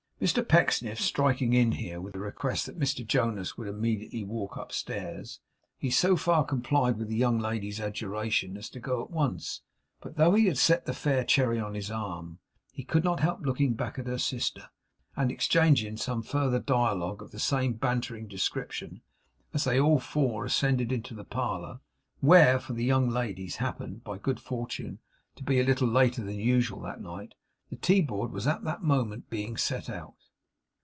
Mr Pecksniff striking in here, with a request that Mr Jonas would immediately walk upstairs, he so far complied with the young lady's adjuration as to go at once. But though he had the fair Cherry on his arm, he could not help looking back at her sister, and exchanging some further dialogue of the same bantering description, as they all four ascended to the parlour; where for the young ladies happened, by good fortune, to be a little later than usual that night the tea board was at that moment being set out.